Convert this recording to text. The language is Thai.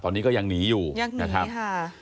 ตอนนี้ก็ยังหนีอยู่ยังหนีค่ะ